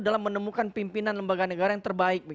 dalam menemukan pimpinan lembaga negara yang terbaik